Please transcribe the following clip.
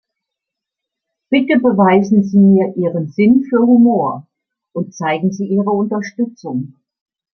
Bitte beweisen Sie mir Ihren Sinn für Humor und zeigen Sie Ihre Unterstützung.